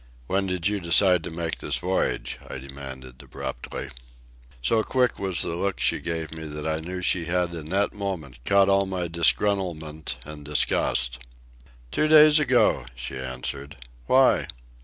"When did you decide to make this voyage?" I demanded abruptly. So quick was the look she gave me that I knew she had in that moment caught all my disgruntlement and disgust. "Two days ago," she answered. "Why?"